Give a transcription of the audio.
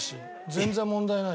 全然問題ないよ。